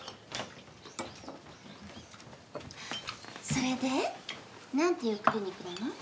それで？なんていうクリニックなの？